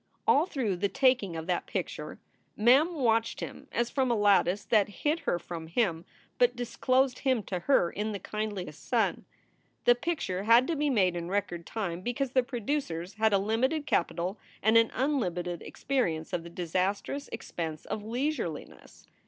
SOULS FOR SALE 295 All through the taking of that picture Mem watched him as from a lattice that hid her from him, but disclosed him to her in the kindliest sun. The picture had to be made in record time because the producers had a limited capital and an unlimited experience of the disastrous expense of leisureliness.